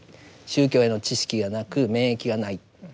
宗教への知識がなく免疫がない。